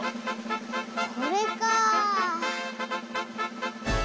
これか！